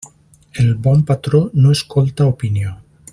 El bon patró no escolta opinió.